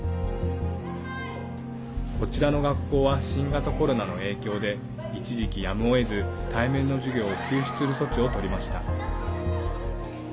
こちらの学校は新型コロナの影響で一時期やむをえず対面の授業を休止する措置をとりました。